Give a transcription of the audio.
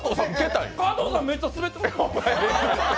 加藤さん、めっちゃスベってた！